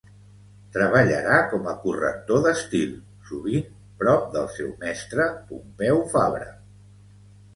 Treballarà com a corrector d'estil, sovint prop del seu mestre Pompeu Fabra.